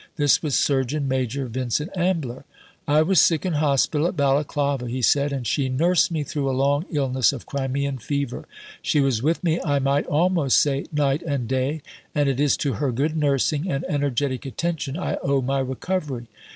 This was Surgeon Major Vincent Ambler. "I was sick in hospital at Balaclava," he said, "and she nursed me through a long illness of Crimean fever. She was with me, I might almost say, night and day, and it is to her good nursing and energetic attention I owe my recovery.